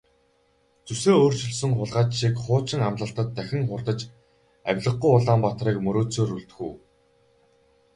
Зүсээ өөрчилсөн хулгайч шиг хуучин амлалтад дахин хууртаж авлигагүй Улаанбаатарыг мөрөөдсөөр үлдэх үү?